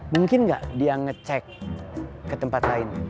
mungkin nggak dia ngecek ke tempat lain